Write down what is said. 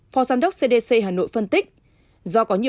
phó giám đốc cdc hà nội phân tích